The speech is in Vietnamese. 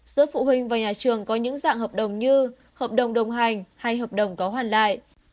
giữa phụ huynh và nhà trường có những dạng hợp đồng như hợp đồng đồng hành hay hợp đồng có hoàn lại